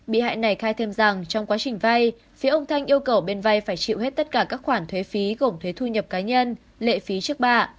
bị hại này khai thêm rằng trong quá trình vay phía ông thanh yêu cầu bên vay phải chịu hết tất cả các khoản thuế phí gồm thuế thu nhập cá nhân lệ phí trước bạ